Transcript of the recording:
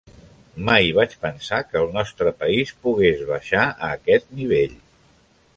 Mai vaig pensar que el nostre país pogués baixar a aquest nivell.